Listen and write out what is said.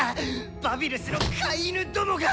バビルスの飼い犬どもが！